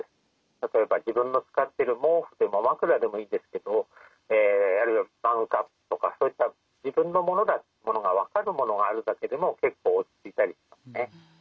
例えば自分の使っている毛布でも枕でもいいんですけどあるいはマグカップとかそういった自分のものだというものが分かるものがあるだけでも結構落ち着いたりしますね。